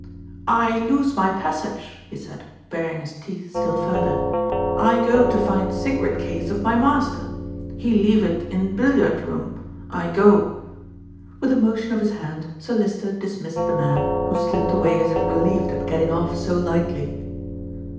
"I lose my passage," he said, baring his teeth still further; "I go to find cigarette case of my master. He leave it in beelyard room. I go " With a motion of his hand, Sir Lyster dismissed the man, who slipped away as if relieved at getting off so lightly.